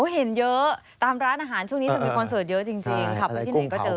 เห็นเยอะตามร้านอาหารช่วงนี้จะมีคอนเซิร์ตเยอะจริง